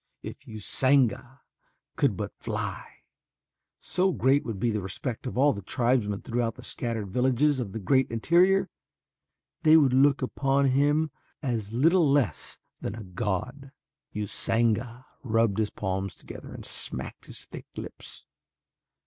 If Usanga could but fly, so great would be the respect of all the tribesmen throughout the scattered villages of the great interior, they would look upon him as little less than a god. Usanga rubbed his palms together and smacked his thick lips.